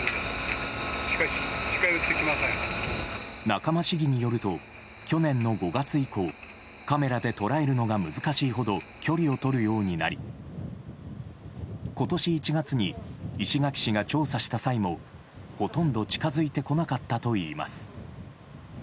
仲間市議によると去年の５月以降カメラで捉えるのが難しいほど距離をとるようになり今年１月に石垣市が調査した際もほとんど近づいてこなかったといいます。